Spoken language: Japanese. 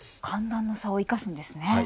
寒暖の差を生かすんですね。